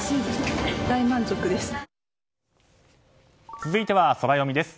続いてはソラよみです。